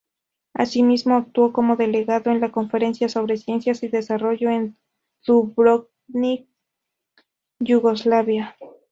Asimismo, actuó como delegado en la Conferencia sobre Ciencia y Desarrollo en Dubrovnik, Yugoslavia.